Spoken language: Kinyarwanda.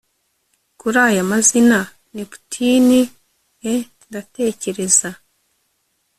Kuri aya mazina Neptune eh Ndatekereza